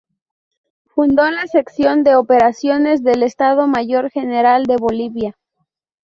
Fundó la sección de operaciones del Estado Mayor General de Bolivia.